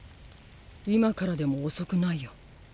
今からでも遅くないよ。